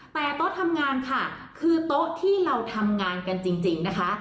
แต่โต๊ะทำงานค่ะคือโต๊ะที่เราทำงานกันจริงนะคะ